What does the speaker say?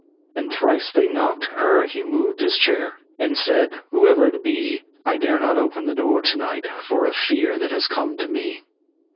And thrice they knocked ere he moved his chair, And said, "Whoever it be, I dare not open the door to night For a fear that has come to me."